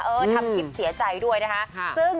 เออเล่นถำสีจรีวเขาจะเสียใจด้วยเนี่ย